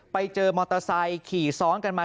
ไปเจอมอเตอร์ไซค์ขี่ซ้อนกันมา